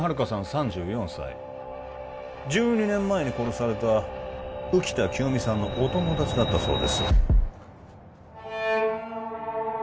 ３４歳１２年前に殺された浮田清美さんのお友達だったそうです